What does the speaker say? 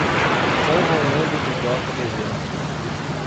São Raimundo do Doca Bezerra